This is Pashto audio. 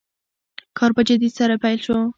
کار په جدیت سره پیل شو.